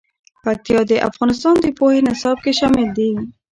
پکتیا د افغانستان د پوهنې نصاب کې شامل دي.